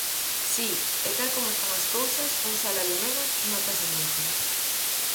Si, e tal como están as cousas, un salario menos nótase moito.